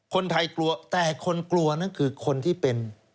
คนไทยกลัวแต่คนกลัวนั่นคือคนที่เป็น